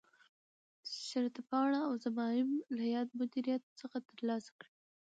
شرطپاڼه او ضمایم له یاد مدیریت څخه ترلاسه کړي.